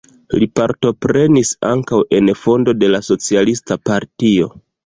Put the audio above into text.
Li partoprenis ankaŭ en fondo de la socialista partio.